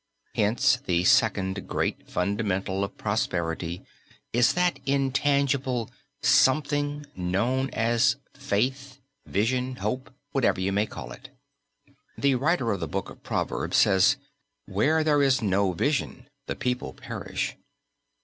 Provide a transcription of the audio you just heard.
Hence, the second great fundamental of prosperity is that intangible "something," known as faith, vision, hope, whatever you may call it. The writer of the Book of Proverbs says: "Where there is no vision, the people perish."